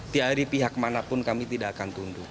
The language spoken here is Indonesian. diari pihak manapun kami tidak akan tunduk